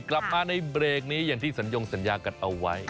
กลับมาในเบรกนี้อย่างที่สัญญงสัญญากันเอาไว้